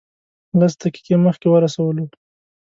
لس دقیقې مخکې ورسولو.